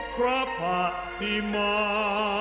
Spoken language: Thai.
พระบัติมัน